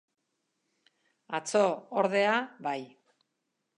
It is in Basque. Atzo, ordea, bai.